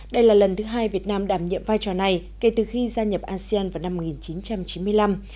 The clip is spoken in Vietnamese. đây là lần thứ hai việt nam đảm nhiệm vai trò này kể từ khi gia nhập asean vào năm một nghìn chín trăm chín mươi năm